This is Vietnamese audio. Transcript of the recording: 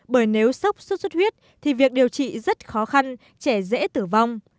bởi nếu sốc sốt xuất huyết thì việc điều trị rất khó khăn trẻ dễ tử vong